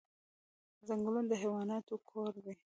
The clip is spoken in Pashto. ځنګلونه د حیواناتو کور دی